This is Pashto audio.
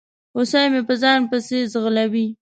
هوسۍ مې په ځان پسي ځغلوي